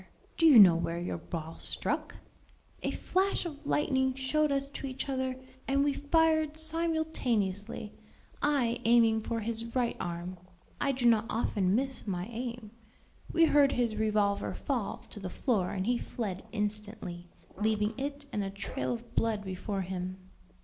do you know where your ball struck?" "A flash of lightning showed us to each other and we fired simultaneously, I aiming for his right arm. I do not often miss my aim: we heard his revolver fall to the floor and he fled instantly, leaving it and a trail of blood before him."